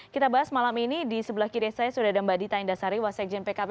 kita bahas malam ini di sebelah kiri saya sudah ada mbak dita indasari wasekjen pkb